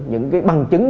những cái bằng chứng